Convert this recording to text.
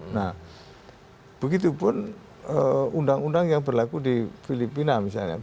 nah begitupun undang undang yang berlaku di filipina misalnya